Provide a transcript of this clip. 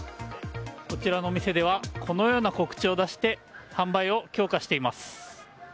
こちらのお店ではこのような告知を出して販売を強化しています。